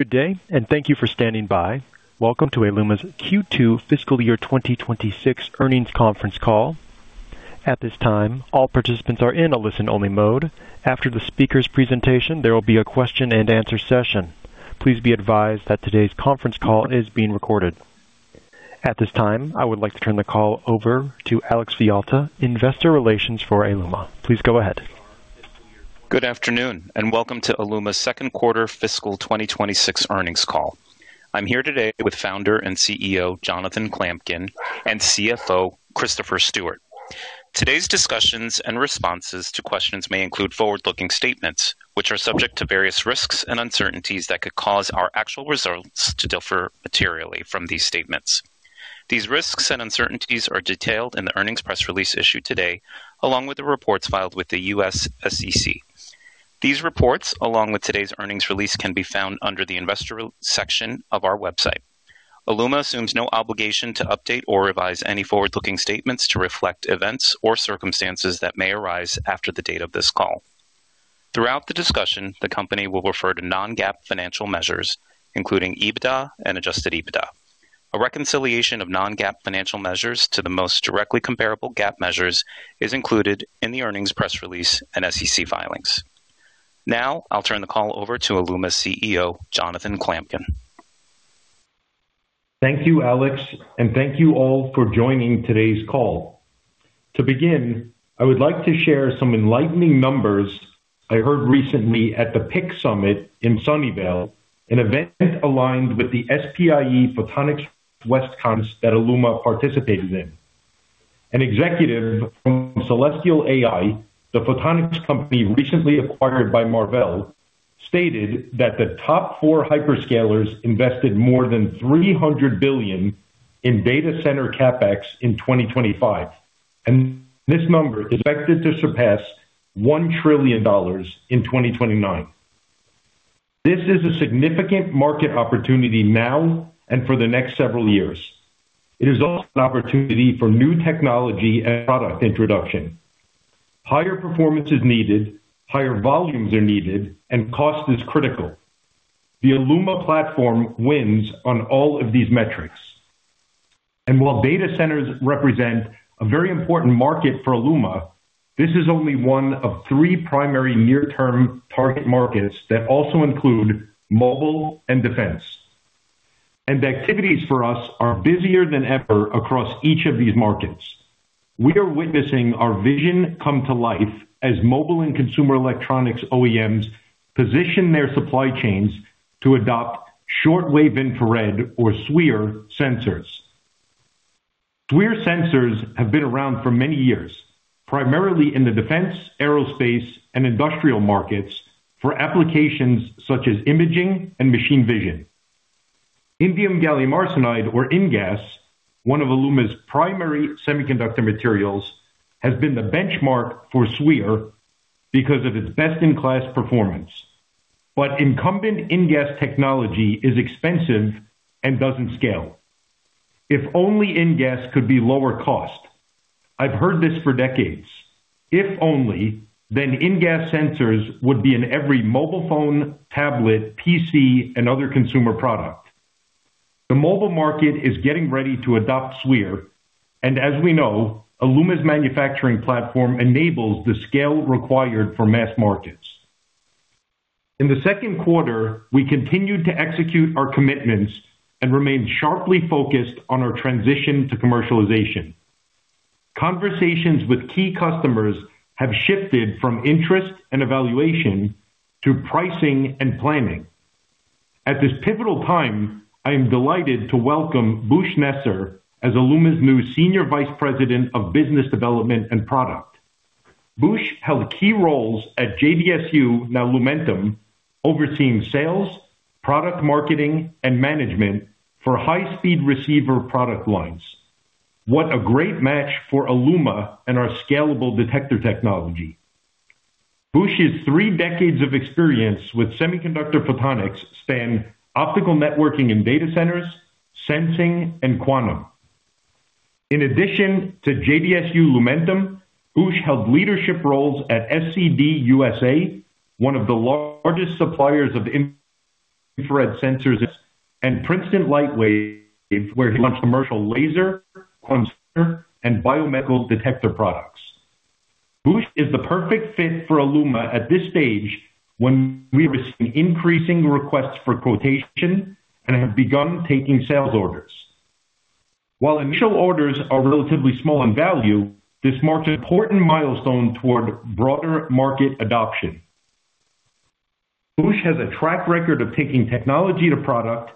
Good day, and thank you for standing by. Welcome to Aeluma's Q2 fiscal year 2026 earnings conference call. At this time, all participants are in a listen-only mode. After the speaker's presentation, there will be a question-and-answer session. Please be advised that today's conference call is being recorded. At this time, I would like to turn the call over to Alex Villalta, Investor Relations for Aeluma. Please go ahead. Good afternoon and welcome to Aeluma's second quarter fiscal 2026 earnings call. I'm here today with founder and CEO Jonathan Klamkin and CFO Christopher Stewart. Today's discussions and responses to questions may include forward-looking statements, which are subject to various risks and uncertainties that could cause our actual results to differ materially from these statements. These risks and uncertainties are detailed in the earnings press release issued today, along with the reports filed with the U.S. SEC. These reports, along with today's earnings release, can be found under the Investor section of our website. Aeluma assumes no obligation to update or revise any forward-looking statements to reflect events or circumstances that may arise after the date of this call. Throughout the discussion, the company will refer to non-GAAP financial measures, including EBITDA and Adjusted EBITDA. A reconciliation of non-GAAP financial measures to the most directly comparable GAAP measures is included in the earnings press release and SEC filings. Now I'll turn the call over to Aeluma's CEO Jonathan Klamkin. Thank you, Alex, and thank you all for joining today's call. To begin, I would like to share some enlightening numbers I heard recently at the PIC Summit in Sunnyvale, an event aligned with the SPIE Photonics West Conference that Aeluma participated in. An executive from Celestial AI, the photonics company recently acquired by Marvell, stated that the top four hyperscalers invested more than $300 billion in data center CapEx in 2025, and this number is expected to surpass $1 trillion in 2029. This is a significant market opportunity now and for the next several years. It is also an opportunity for new technology and product introduction. Higher performance is needed, higher volumes are needed, and cost is critical. The Aeluma platform wins on all of these metrics. While data centers represent a very important market for Aeluma, this is only one of three primary near-term target markets that also include mobile and defense. Activities for us are busier than ever across each of these markets. We are witnessing our vision come to life as mobile and consumer electronics OEMs position their supply chains to adopt short-wave infrared, or SWIR, sensors. SWIR sensors have been around for many years, primarily in the defense, aerospace, and industrial markets for applications such as imaging and machine vision. Indium Gallium Arsenide, or InGaAs, one of Aeluma's primary semiconductor materials, has been the benchmark for SWIR because of its best-in-class performance. But incumbent InGaAs technology is expensive and doesn't scale. If only InGaAs could be lower cost. I've heard this for decades. If only, then InGaAs sensors would be in every mobile phone, tablet, PC, and other consumer product. The mobile market is getting ready to adopt SWIR, and as we know, Aeluma's manufacturing platform enables the scale required for mass markets. In the second quarter, we continued to execute our commitments and remained sharply focused on our transition to commercialization. Conversations with key customers have shifted from interest and evaluation to pricing and planning. At this pivotal time, I am delighted to welcome Bouch Nassar as Aeluma's new Senior Vice President of Business Development and Product. Bouch held key roles at JDS Uniphase Lumentum overseeing sales, product marketing, and management for high-speed receiver product lines. What a great match for Aeluma and our scalable detector technology. Bouch's three decades of experience with semiconductor photonics span optical networking in data centers, sensing, and quantum. In addition to JDS Uniphase, now Lumentum, Bouch held leadership roles at SCD USA, one of the largest suppliers of infrared sensors, and Princeton Lightwave, where he launched commercial laser, quantum sensor, and biomedical detector products. Bouch is the perfect fit for Aeluma at this stage when we are receiving increasing requests for quotation and have begun taking sales orders. While initial orders are relatively small in value, this marks an important milestone toward broader market adoption. Bouch has a track record of taking technology to product,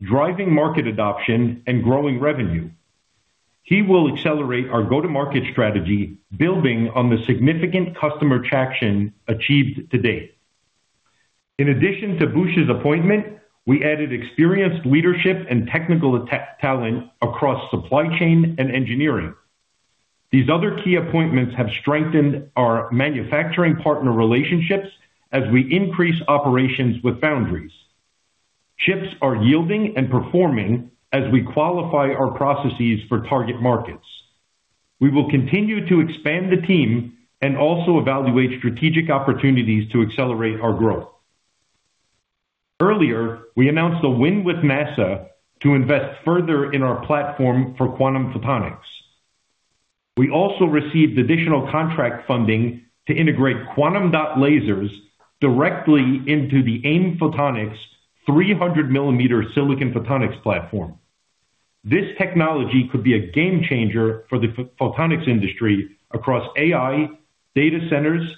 driving market adoption, and growing revenue. He will accelerate our go-to-market strategy, building on the significant customer traction achieved to date. In addition to Bouch's appointment, we added experienced leadership and technical talent across supply chain and engineering. These other key appointments have strengthened our manufacturing partner relationships as we increase operations with foundries. Chips are yielding and performing as we qualify our processes for target markets. We will continue to expand the team and also evaluate strategic opportunities to accelerate our growth. Earlier, we announced a win with NASA to invest further in our platform for quantum photonics. We also received additional contract funding to integrate quantum dot lasers directly into the AIM Photonics 300 mm silicon photonics platform. This technology could be a game changer for the photonics industry across AI, data centers,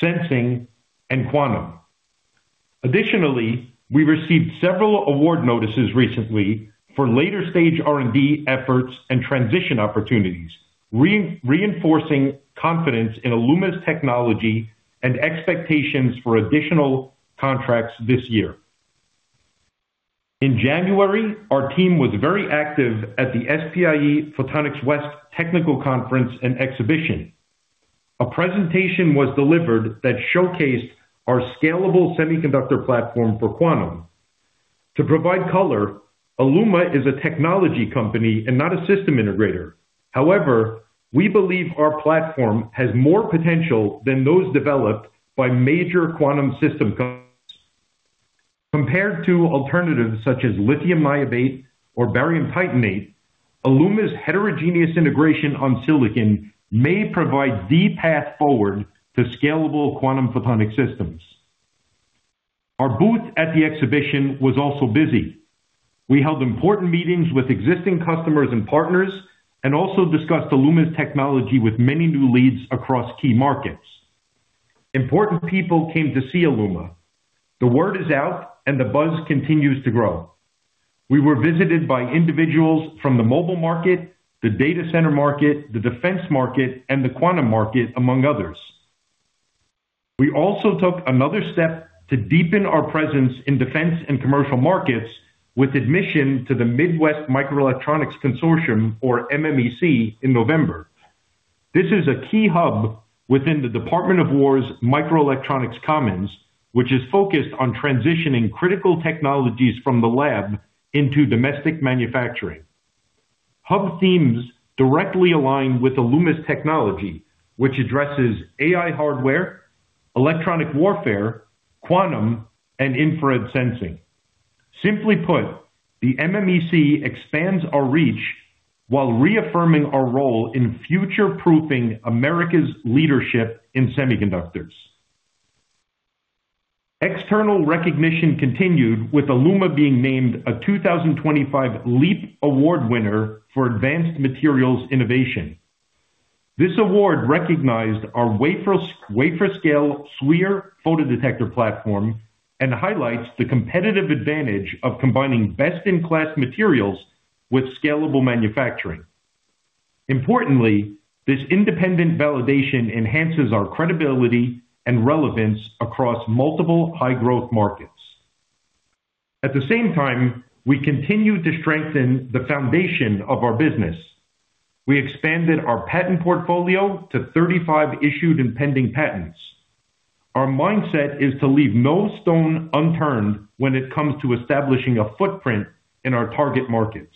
sensing, and quantum. Additionally, we received several award notices recently for later-stage R&D efforts and transition opportunities, reinforcing confidence in Aeluma's technology and expectations for additional contracts this year. In January, our team was very active at the SPIE Photonics West technical conference and exhibition. A presentation was delivered that showcased our scalable semiconductor platform for quantum. To provide color, Aeluma is a technology company and not a system integrator. However, we believe our platform has more potential than those developed by major quantum system companies. Compared to alternatives such as lithium niobate or barium titanate, Aeluma's heterogeneous integration on silicon may provide the path forward to scalable quantum photonic systems. Our booth at the exhibition was also busy. We held important meetings with existing customers and partners and also discussed Aeluma's technology with many new leads across key markets. Important people came to see Aeluma. The word is out, and the buzz continues to grow. We were visited by individuals from the mobile market, the data center market, the defense market, and the quantum market, among others. We also took another step to deepen our presence in defense and commercial markets with admission to the Midwest Microelectronics Consortium, or MMEC, in November. This is a key hub within the Department of Defense's Microelectronics Commons, which is focused on transitioning critical technologies from the lab into domestic manufacturing. Hub themes directly align with Aeluma's technology, which addresses AI hardware, electronic warfare, quantum, and infrared sensing. Simply put, the MMEC expands our reach while reaffirming our role in future-proofing America's leadership in semiconductors. External recognition continued, with Aeluma being named a 2025 LEAP Award winner for advanced materials innovation. This award recognized our wafer-scale SWIR photodetector platform and highlights the competitive advantage of combining best-in-class materials with scalable manufacturing. Importantly, this independent validation enhances our credibility and relevance across multiple high-growth markets. At the same time, we continue to strengthen the foundation of our business. We expanded our patent portfolio to 35 issued and pending patents. Our mindset is to leave no stone unturned when it comes to establishing a footprint in our target markets.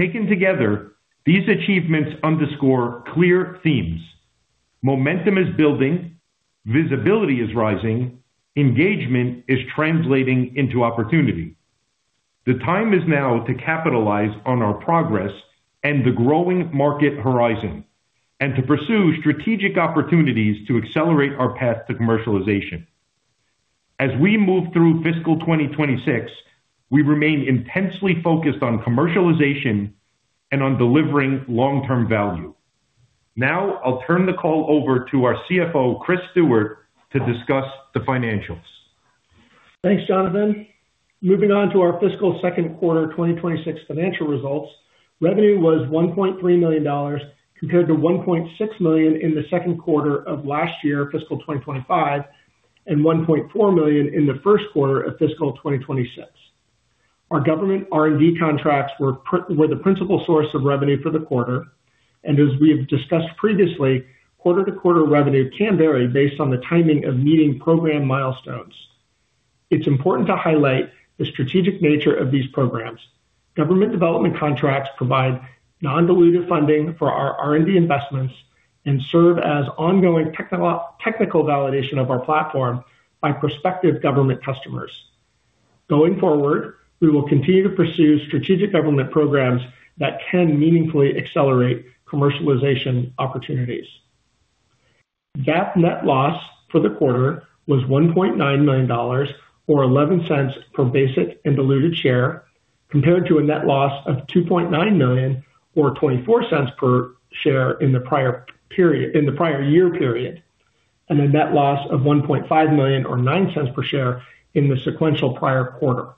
Taken together, these achievements underscore clear themes: momentum is building, visibility is rising, engagement is translating into opportunity. The time is now to capitalize on our progress and the growing market horizon, and to pursue strategic opportunities to accelerate our path to commercialization. As we move through fiscal 2026, we remain intensely focused on commercialization and on delivering long-term value. Now I'll turn the call over to our CFO, Chris Stewart, to discuss the financials. Thanks, Jonathan. Moving on to our fiscal second quarter 2026 financial results, revenue was $1.3 million compared to $1.6 million in the second quarter of last year, fiscal 2025, and $1.4 million in the first quarter of fiscal 2026. Our government R&D contracts were the principal source of revenue for the quarter. As we have discussed previously, quarter-to-quarter revenue can vary based on the timing of meeting program milestones. It's important to highlight the strategic nature of these programs. Government development contracts provide non-dilutive funding for our R&D investments and serve as ongoing technical validation of our platform by prospective government customers. Going forward, we will continue to pursue strategic government programs that can meaningfully accelerate commercialization opportunities. GAAP net loss for the quarter was $1.9 million, or $0.11 per basic and diluted share, compared to a net loss of $2.9 million, or $0.24 per share in the prior year period, and a net loss of $1.5 million, or $0.09 per share in the sequential prior quarter.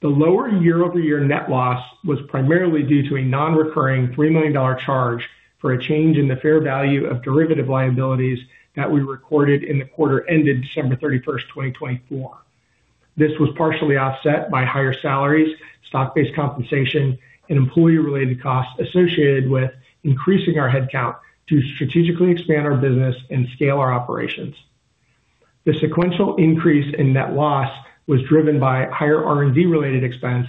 The lower year-over-year net loss was primarily due to a non-recurring $3 million charge for a change in the fair value of derivative liabilities that we recorded in the quarter ended December 31st, 2024. This was partially offset by higher salaries, stock-based compensation, and employee-related costs associated with increasing our headcount to strategically expand our business and scale our operations. The sequential increase in net loss was driven by higher R&D-related expense,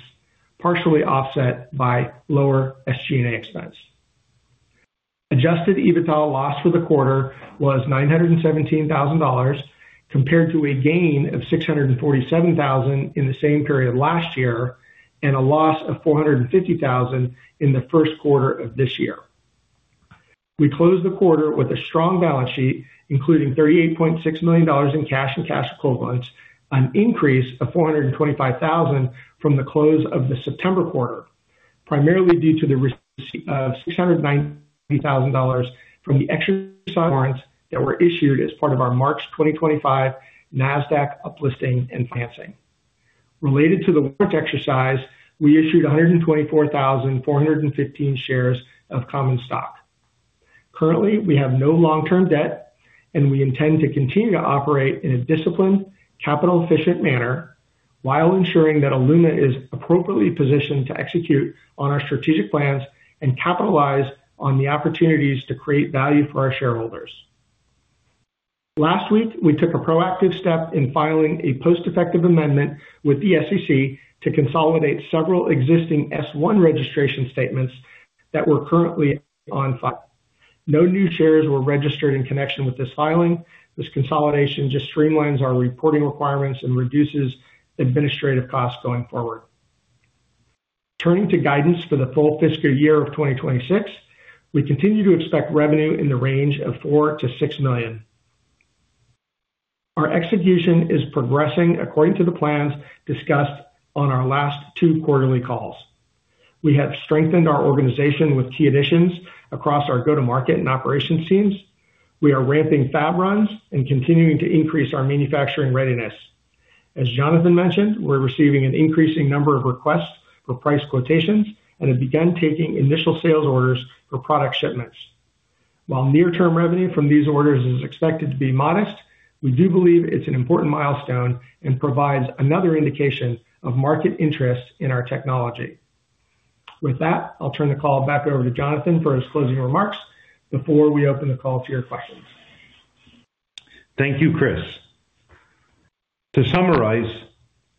partially offset by lower SG&A expense. Adjusted EBITDA loss for the quarter was $917,000, compared to a gain of $647,000 in the same period last year and a loss of $450,000 in the first quarter of this year. We closed the quarter with a strong balance sheet, including $38.6 million in cash and cash equivalents, an increase of $425,000 from the close of the September quarter, primarily due to the receipt of $690,000 from the exercise warrants that were issued as part of our March 2025 NASDAQ uplisting and financing. Related to the warrant exercise, we issued 124,415 shares of common stock. Currently, we have no long-term debt, and we intend to continue to operate in a disciplined, capital-efficient manner while ensuring that Aeluma is appropriately positioned to execute on our strategic plans and capitalize on the opportunities to create value for our shareholders. Last week, we took a proactive step in filing a post-effective amendment with the SEC to consolidate several existing S1 registration statements that were currently on file. No new shares were registered in connection with this filing. This consolidation just streamlines our reporting requirements and reduces administrative costs going forward. Turning to guidance for the full fiscal year of 2026, we continue to expect revenue in the range of $4 -6 million. Our execution is progressing according to the plans discussed on our last two quarterly calls. We have strengthened our organization with key additions across our go-to-market and operations teams. We are ramping fab runs and continuing to increase our manufacturing readiness. As Jonathan mentioned, we're receiving an increasing number of requests for price quotations, and have begun taking initial sales orders for product shipments. While near-term revenue from these orders is expected to be modest, we do believe it's an important milestone and provides another indication of market interest in our technology. With that, I'll turn the call back over to Jonathan for his closing remarks before we open the call to your questions. Thank you, Chris. To summarize,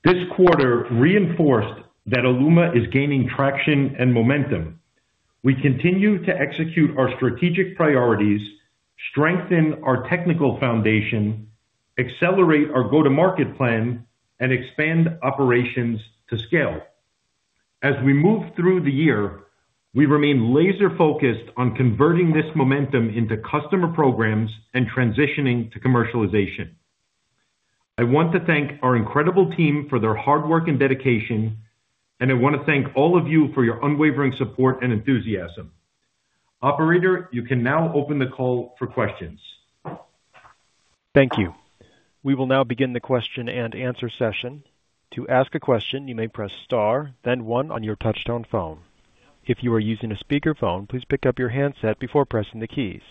this quarter reinforced that Aeluma is gaining traction and momentum. We continue to execute our strategic priorities, strengthen our technical foundation, accelerate our go-to-market plan, and expand operations to scale. As we move through the year, we remain laser-focused on converting this momentum into customer programs and transitioning to commercialization. I want to thank our incredible team for their hard work and dedication, and I want to thank all of you for your unwavering support and enthusiasm. Operator, you can now open the call for questions. Thank you. We will now begin the question and answer session. To ask a question, you may press star, then one on your touch-tone phone. If you are using a speakerphone, please pick up your handset before pressing the keys.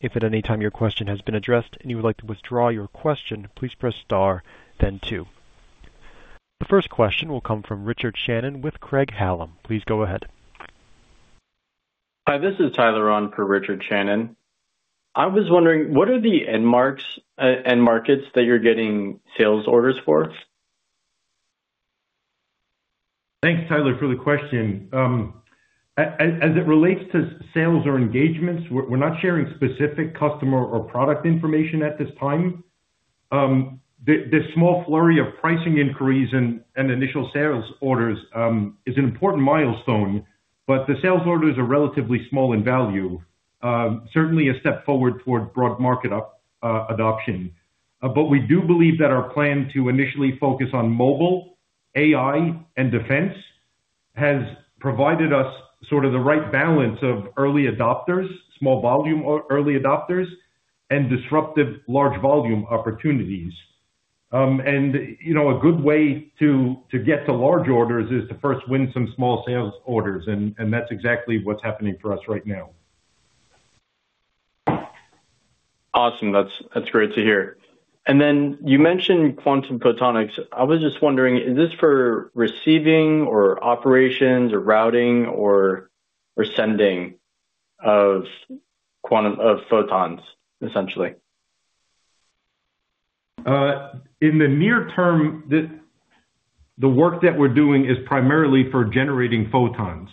If at any time your question has been addressed and you would like to withdraw yourquestion, please press star, then two. The first question will come from Richard Shannon with Craig-Hallum. Please go ahead. Hi, this is Tyler on for Richard Shannon. I was wondering, what are the end markets that you're getting sales orders for? Thanks, Tyler, for the question. As it relates to sales or engagements, we're not sharing specific customer or product information at this time. The small flurry of pricing increase and initial sales orders is an important milestone, but the sales orders are relatively small in value, certainly a step forward toward broad market adoption. But we do believe that our plan to initially focus on mobile, AI, and defense has provided us sort of the right balance of early adopters, small volume early adopters, and disruptive large volume opportunities. And a good way to get to large orders is to first win some small sales orders. And that's exactly what's happening for us right now. Awesome. That's great to hear. And then you mentioned quantum photonics. I was just wondering, is this for receiving or operations or routing or sending of photons, essentially? In the near term, the work that we're doing is primarily for generating photons.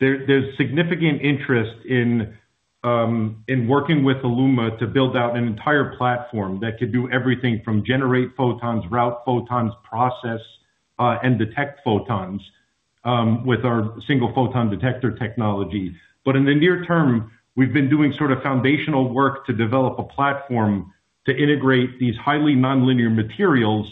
There's significant interest in working with Aeluma to build out an entire platform that could do everything from generate photons, route photons, process, and detect photons with our single photon detector technology. But in the near term, we've been doing sort of foundational work to develop a platform to integrate these highly nonlinear materials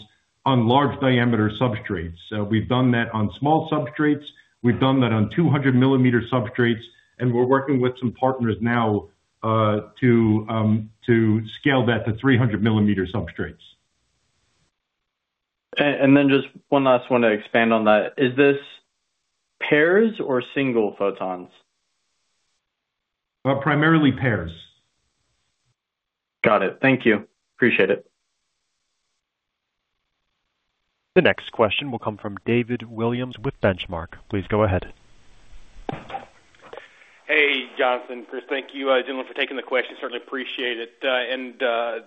on large diameter substrates. We've done that on small substrates. We've done that on 200-millimeter substrates. And we're working with some partners now to scale that to 300-millimeter substrates. And then just one last one to expand on that. Is this pairs or single photons? Primarily pairs. Got it. Thank you. Appreciate it. The next question will come from David Williams with Benchmark. Please go ahead. Hey, Jonathan. Chris, thank you, Dylan, for taking the question. Certainly appreciate it. And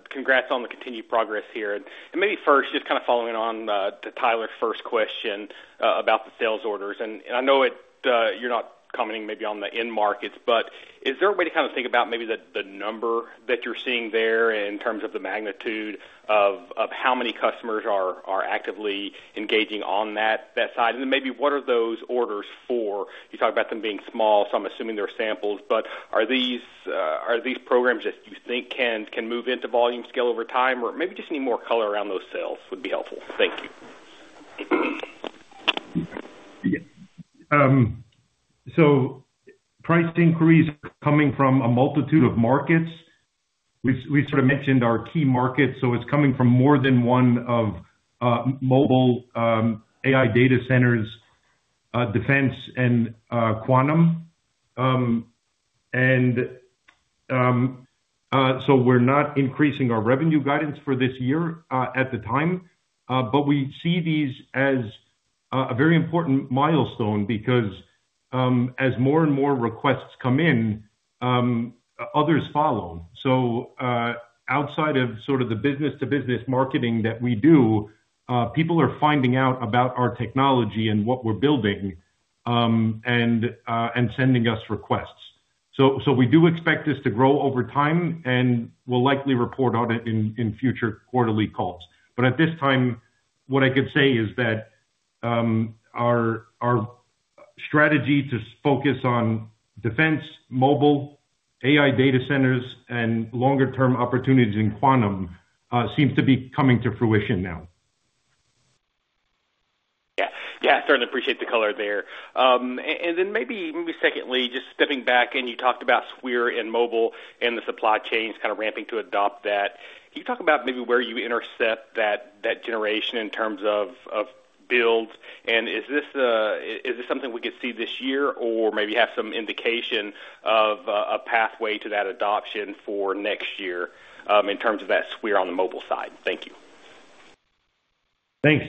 congrats on the continued progress here. And maybe first, just kind of following on to Tyler's first question about the sales orders. And I know you're not commenting maybe on the end markets, but is there a way to kind of think about maybe the number that you're seeing there in terms of the magnitude of how many customers are actively engaging on that side? And then maybe what are those orders for? You talked about them being small, so I'm assuming they're samples. But are these programs that you think can move into volume scale over time, or maybe just need more color around those sales would be helpful. Thank you. So, price increase coming from a multitude of markets. We sort of mentioned our key markets. So it's coming from more than one of mobile AI data centers, defense, and quantum. And so we're not increasing our revenue guidance for this year at the time. But we see these as a very important milestone because as more and more requests come in, others follow. So outside of sort of the business-to-business marketing that we do, people are finding out about our technology and what we're building and sending us requests. So we do expect this to grow over time and will likely report on it in future quarterly calls. But at this time, what I could say is that our strategy to focus on defense, mobile, AI data centers, and longer-term opportunities in quantum seems to be coming to fruition now. Yeah. Yeah. Certainly appreciate the color there. Then maybe secondly, just stepping back, and you talked about SWIR and mobile and the supply chain kind of ramping to adopt that. Can you talk about maybe where you intercept that generation in terms of builds? And is this something we could see this year or maybe have some indication of a pathway to that adoption for next year in terms of that SWIR on the mobile side? Thank you. Thanks,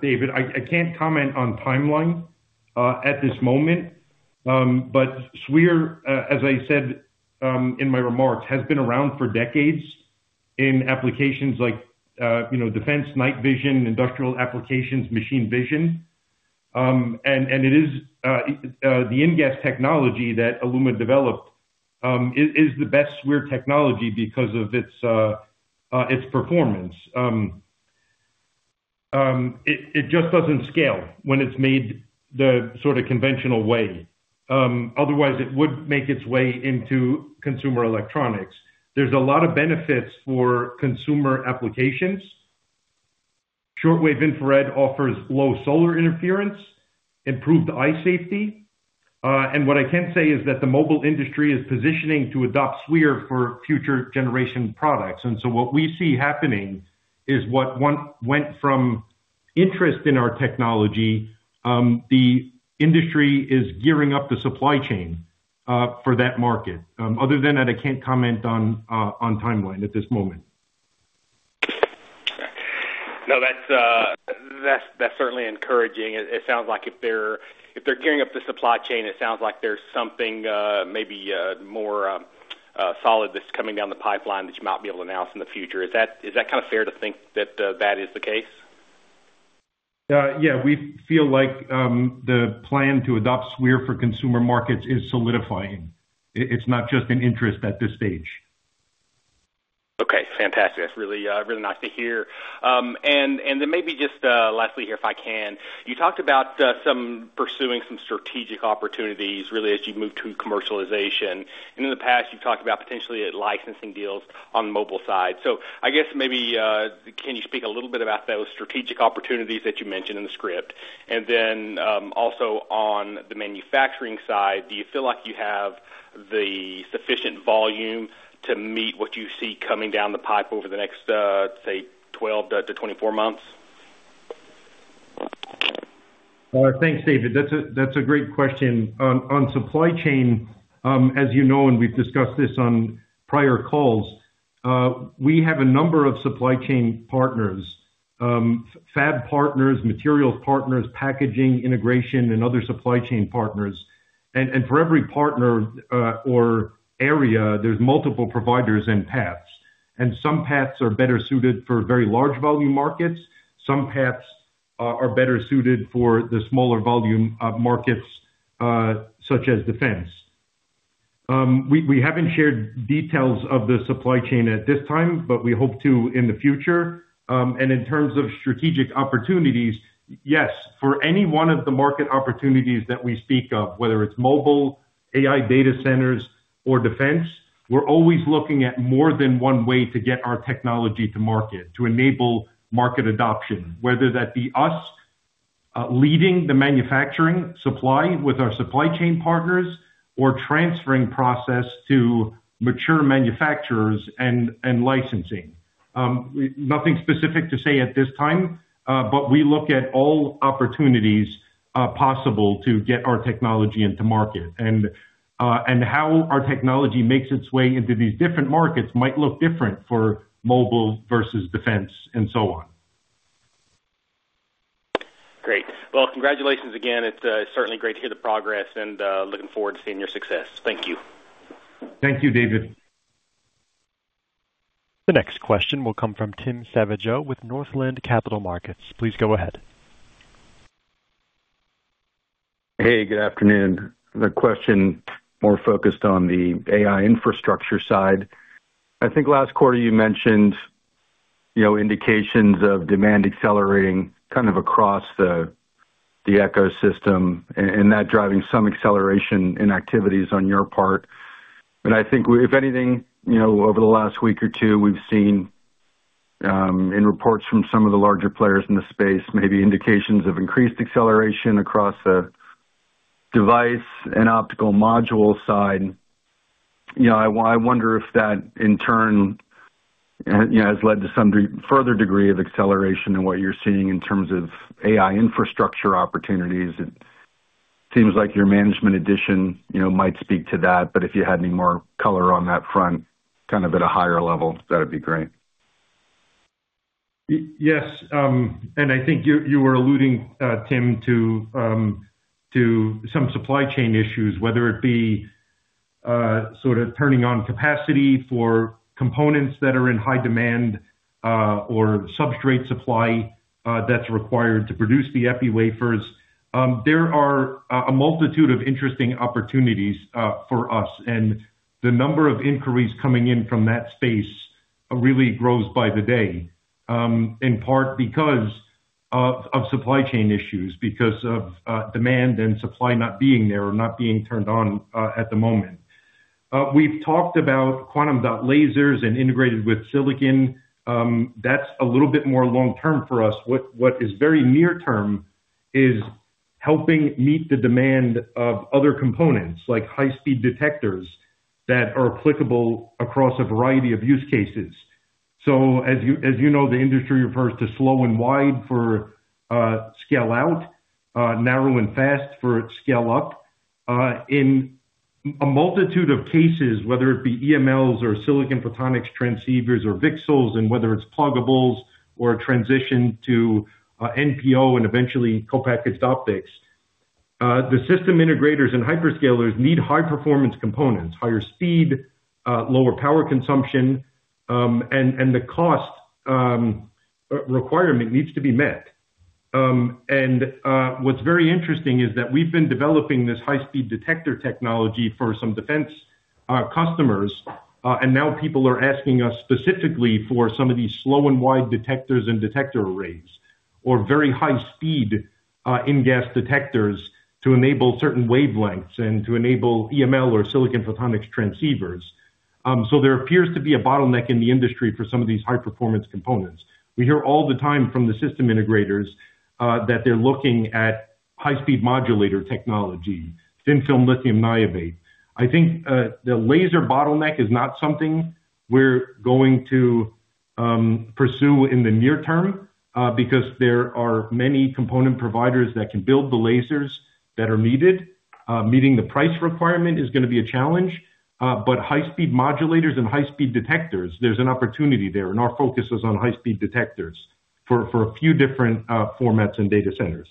David. I can't comment on timeline at this moment. But SWIR, as I said in my remarks, has been around for decades in applications like defense, night vision, industrial applications, machine vision. And it is the InGaAs technology that Aeluma developed is the best SWIR technology because of its performance. It just doesn't scale when it's made the sort of conventional way. Otherwise, it would make its way into consumer electronics. There's a lot of benefits for consumer applications. Short-wave infrared offers low solar interference, improved eye safety. And what I can say is that the mobile industry is positioning to adopt SWIR for future-generation products. And so what we see happening is what went from interest in our technology, the industry is gearing up the supply chain for that market. Other than that, I can't comment on timeline at this moment. No, that's certainly encouraging. It sounds like if they're gearing up the supply chain, it sounds like there's something maybe more solid that's coming down the pipeline that you might be able to announce in the future. Is that kind of fair to think that that is the case? Yeah. We feel like the plan to adopt SWIR for consumer markets is solidifying. It's not just an interest at this stage. Okay. Fantastic. That's really nice to hear. And then maybe just lastly here, if I can, you talked about pursuing some strategic opportunities really as you move to commercialization. And in the past, you've talked about potentially licensing deals on the mobile side. So I guess maybe can you speak a little bit about those strategic opportunities that you mentioned in the script? And then also on the manufacturing side, do you feel like you have the sufficient volume to meet what you see coming down the pipe over the next, say, 12-24 months? Thanks, David. That's a great question. On supply chain, as you know, and we've discussed this on prior calls, we have a number of supply chain partners, fab partners, materials partners, packaging integration, and other supply chain partners. And for every partner or area, there's multiple providers and paths. And some paths are better suited for very large volume markets. Some paths are better suited for the smaller volume markets such as defense. We haven't shared details of the supply chain at this time, but we hope to in the future. In terms of strategic opportunities, yes, for any one of the market opportunities that we speak of, whether it's mobile, AI data centers, or defense, we're always looking at more than one way to get our technology to market, to enable market adoption, whether that be us leading the manufacturing supply with our supply chain partners or transferring process to mature manufacturers and licensing. Nothing specific to say at this time, but we look at all opportunities possible to get our technology into market. How our technology makes its way into these different markets might look different for mobile versus defense and so on. Great. Well, congratulations again. It's certainly great to hear the progress and looking forward to seeing your success. Thank you. Thank you, David. The next question will come from Tim Savageaux with Northland Capital Markets. Please go ahead. Hey. Good afternoon. The question is more focused on the AI infrastructure side. I think last quarter, you mentioned indications of demand accelerating kind of across the ecosystem and that driving some acceleration in activities on your part. And I think, if anything, over the last week or two, we've seen in reports from some of the larger players in the space maybe indications of increased acceleration across the device and optical module side. I wonder if that, in turn, has led to some further degree of acceleration in what you're seeing in terms of AI infrastructure opportunities. It seems like your management edition might speak to that. But if you had any more color on that front kind of at a higher level, that would be great. Yes. And I think you were alluding, Tim, to some supply chain issues, whether it be sort of turning on capacity for components that are in high demand or substrate supply that's required to produce the EPI wafers. There are a multitude of interesting opportunities for us. And the number of inquiries coming in from that space really grows by the day, in part because of supply chain issues, because of demand and supply not being there or not being turned on at the moment. We've talked about quantum lasers and integrated with silicon. That's a little bit more long-term for us. What is very near-term is helping meet the demand of other components like high-speed detectors that are applicable across a variety of use cases. So as you know, the industry refers to slow and wide for scale out, narrow and fast for scale up. In a multitude of cases, whether it be EMLs or silicon photonics transceivers or VCSELs and whether it's pluggables or transition to NPO and eventually co-packaged optics, the system integrators and hyperscalers need high-performance components, higher speed, lower power consumption, and the cost requirement needs to be met. And what's very interesting is that we've been developing this high-speed detector technology for some defense customers. And now people are asking us specifically for some of these slow and wide detectors and detector arrays or very high-speed InGaAs detectors to enable certain wavelengths and to enable EML or silicon photonics transceivers. So there appears to be a bottleneck in the industry for some of these high-performance components. We hear all the time from the system integrators that they're looking at high-speed modulator technology, thin-film lithium niobate. I think the laser bottleneck is not something we're going to pursue in the near-term because there are many component providers that can build the lasers that are needed. Meeting the price requirement is going to be a challenge. But high-speed modulators and high-speed detectors, there's an opportunity there. And our focus is on high-speed detectors for a few different formats and data centers.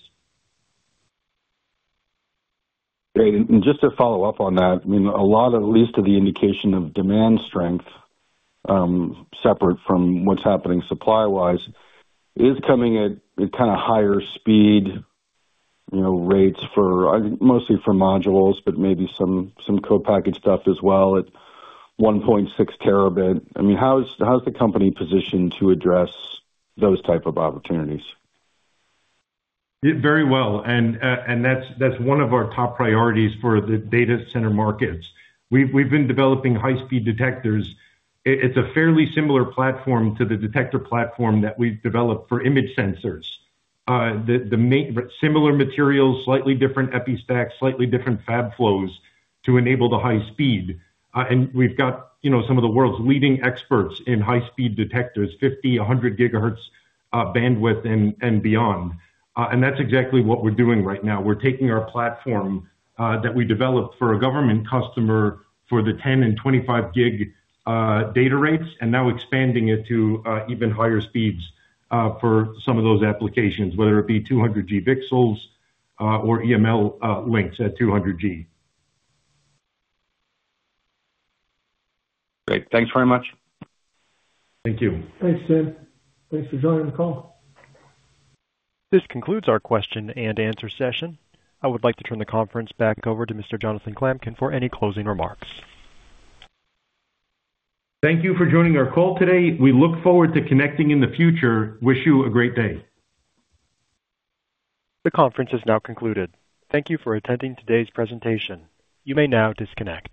Great. Just to follow up on that, I mean, a lot of at least the indication of demand strength separate from what's happening supply-wise is coming at kind of higher speed rates mostly for modules but maybe some co-packaged stuff as well at 1.6 terabit. I mean, how is the company positioned to address those type of opportunities? Very well. And that's one of our top priorities for the data center markets. We've been developing high-speed detectors. It's a fairly similar platform to the detector platform that we've developed for image sensors, similar materials, slightly different EPI stacks, slightly different fab flows to enable the high speed. And we've got some of the world's leading experts in high-speed detectors, 50, 100 GHz bandwidth and beyond. And that's exactly what we're doing right now. We're taking our platform that we developed for a government customer for the 10 and 25-gig data rates and now expanding it to even higher speeds for some of those applications, whether it be 200G VCSELs or EML links at 200G. Great. Thanks very much. Thank you. Thanks, Tim. Thanks for joining the call. This concludes our question and answer session. I would like to turn the conference back over to Mr. Jonathan Klamkin for any closing remarks. Thank you for joining our call today. We look forward to connecting in the future. Wish you a great day. The conference has now concluded. Thank you for attending today's presentation. You may now disconnect.